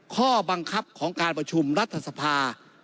ข้อบังคับของการประชุมรัฐสภา